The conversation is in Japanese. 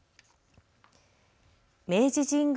明治神宮